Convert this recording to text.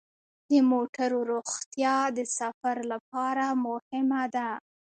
د موټرو روغتیا د سفر لپاره مهمه ده.